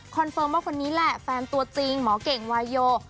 เฟิร์มว่าคนนี้แหละแฟนตัวจริงหมอเก่งวายโย